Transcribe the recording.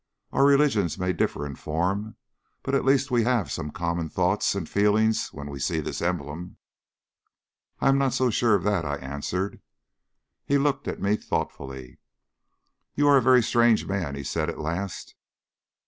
Our religions may differ in form, but at least we have some common thoughts and feelings when we see this emblem." "I am not so sure of that," I answered. He looked at me thoughtfully. "You are a very strange man," he said at last.